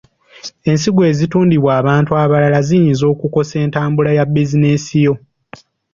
Ensigo ezitundibwa abantu abalala ziyinza okukosa entambula ya bizinensi yo.